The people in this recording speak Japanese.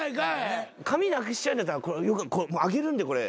紙なくしちゃうんだったらあげるんでこれ。